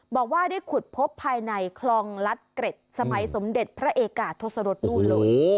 บอกว่าได้ขุดพบภายในคลองลัดเกร็ดสมัยสมเด็จพระเอกาทศรษนู่นเลย